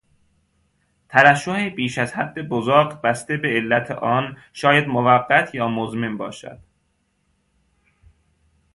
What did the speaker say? ترشح بیش از حد بزاق بسته به علت آن شاید موقت یا مزمن باشد